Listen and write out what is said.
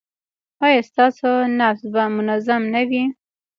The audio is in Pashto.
ایا ستاسو نبض به منظم نه وي؟